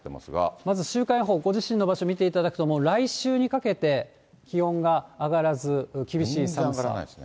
まず週間予報、ご自身の場所見ていただくと、来週にかけて気温が上がらず、厳しい寒さが。全然上がらないですね。